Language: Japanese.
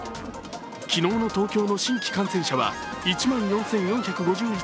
昨日の東京の新規感染者は１万４４５１人。